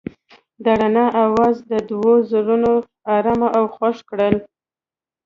د رڼا اواز د دوی زړونه ارامه او خوښ کړل.